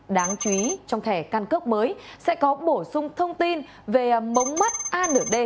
đáng chú ý trong thẻ căn cước mới sẽ có bổ sung thông tin về mống mắt a nửa d